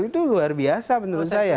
itu luar biasa menurut saya